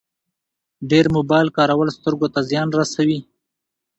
ډېر موبایل کارول سترګو ته زیان رسوي.